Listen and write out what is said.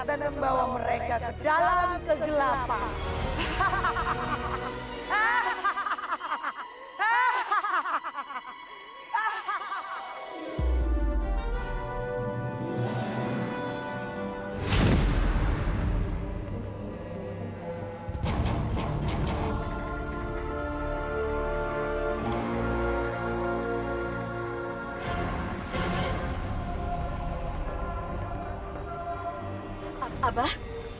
dan membawa mereka ke dalam kegelapan